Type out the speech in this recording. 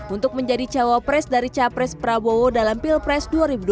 untuk menjadi cawapres dari capres prabowo dalam pilpres dua ribu dua puluh